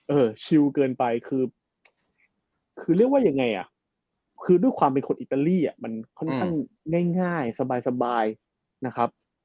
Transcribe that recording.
เออชิลเกินไปคือคือเรียกว่ายังไงอ่ะคือด้วยความเป็นคนอิตาลีอ่ะมันค่อนข้างง่ายสบายนะครับ